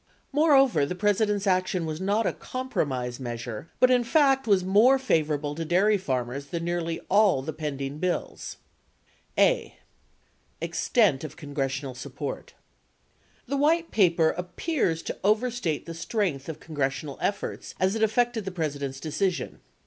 Moreover, the President's action was not a compromise measure but, in fact, was more favorable to dairy farmers than nearly all the pending bills. 39 a. Extent of Congressional Support The White Paper appears to overstate the strength of congressional efforts as it affected the President's decision.